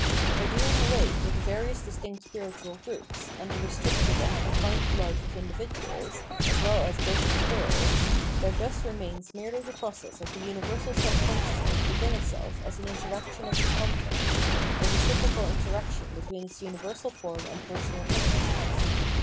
By doing away with the various distinct spiritual groups, and the restricted and confined life of individuals, as well as both its worlds, there thus remains merely the process of the universal self consciousness within itself as an interaction of its content, a reciprocal interaction between its universal form and personal consciousness.